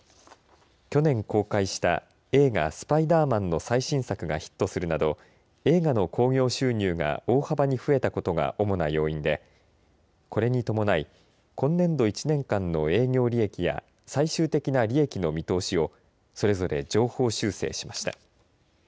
去年公開した映画スパイダーマンの最新作がヒットするなど映画の興行収入が大幅に増えたことが主な要因でこれに伴い今年度１年間の営業利益や最終的な利益の見通しをそれぞれ上方修正しました。